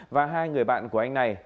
và hai người bạn của anh này